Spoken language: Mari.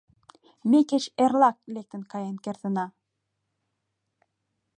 Ме кеч эрлак лектын каен кертына.